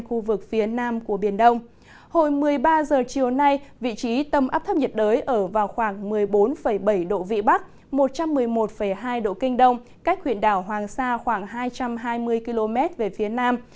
hồi một mươi ba h chiều nay vị trí tâm áp thấp nhiệt đới ở vào khoảng một mươi bốn bảy độ vĩ bắc một trăm một mươi một hai độ kinh đông cách huyện đảo hoàng sa khoảng hai trăm hai mươi km về phía nam